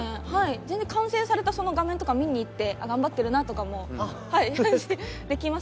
全然完成されたその画面とか見に行ってあっ頑張ってるなとかもできますし。